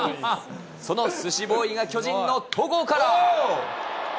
そのスシボーイが巨人の戸郷から。